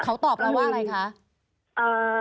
เขาตอบเราว่าอะไรคะ